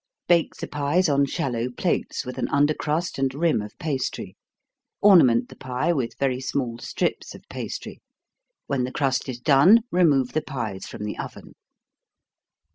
Bake the pies on shallow plates, with an under crust and rim of pastry ornament the pie with very small strips of pastry. When the crust is done, remove the pies from the oven.